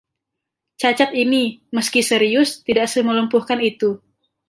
Cacat ini, meski serius, tidak semelumpuhkan itu.